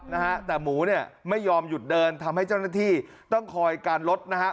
นะฮะแต่หมูเนี่ยไม่ยอมหยุดเดินทำให้เจ้าหน้าที่ต้องคอยการลดนะฮะ